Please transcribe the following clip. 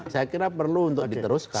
saya kira perlu untuk diteruskan